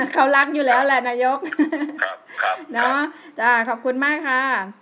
เขารักอยู่แล้วแหละนายกครับครับเนอะจ้ะขอบคุณมากค่ะ